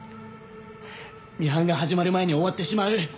ミハンが始まる前に終わってしまう。